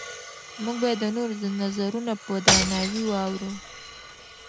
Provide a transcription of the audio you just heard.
موږ باید د نورو نظرونه په درناوي واورو